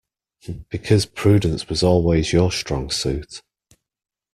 Because prudence was always your strong suit.